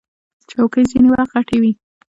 چوکۍ ځینې وخت غټې وي.